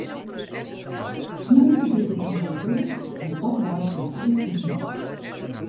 Sneon wie der yn Blauhûs in fokdei fan it Fryske hynder.